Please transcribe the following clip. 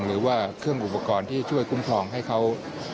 หรือว่าเครื่องอุปกรณ์ที่ช่วยคุ้มครองให้เขา